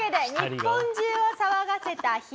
日本中を騒がせたヒアリ